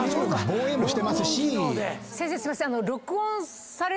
先生すいません。